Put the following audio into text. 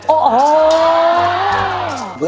โอ้โห